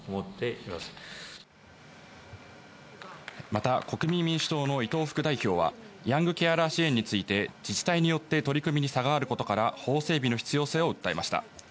また国民民主党の伊藤副代表はヤングケアラー支援について自治体によって取り組みに差があることから、法整備の必要性を訴えました。